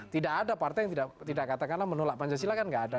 tidak ada partai yang tidak katakanlah menolak pancasila kan tidak ada